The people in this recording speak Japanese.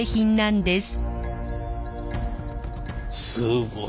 すごい。